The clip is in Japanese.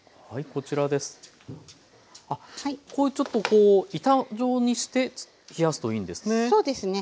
こうちょっとこう板状にして冷やすといいんですね。